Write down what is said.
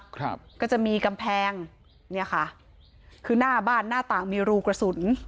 ครับก็จะมีกำแพงเนี่ยค่ะคือหน้าบ้านหน้าต่างมีรูกระสุน